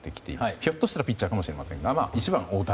ひょっとしたらピッチャーかもしれませんが１番、大谷